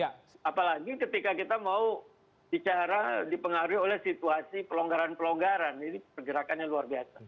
apalagi ketika kita mau bicara dipengaruhi oleh situasi pelonggaran pelonggaran ini pergerakannya luar biasa